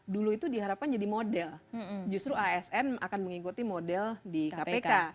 dulu itu diharapkan jadi model justru asn akan mengikuti model di kpk